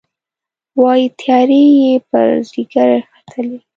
وايي، تیارې یې پر ځيګر ختلي